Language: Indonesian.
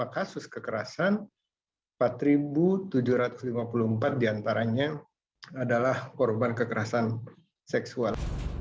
dua puluh kasus kekerasan empat tujuh ratus lima puluh empat diantaranya adalah korban kekerasan seksual